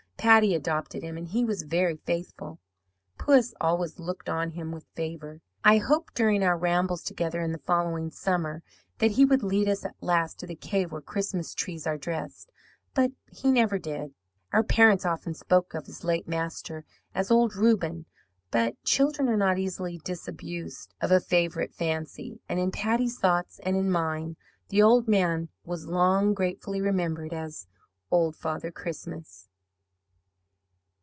Patty adopted him, and he was very faithful. Puss always looked on him with favour. I hoped during our rambles together in the following summer that he would lead us at last to the cave where Christmas trees are dressed. But he never did. "Our parents often spoke of his late master as 'old Reuben,' but children are not easily disabused of a favourite fancy, and in Patty's thoughts and in mine the old man was long gratefully remembered as Old Father Christmas."